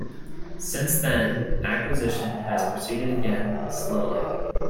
Since then, acquisition has proceeded again slowly.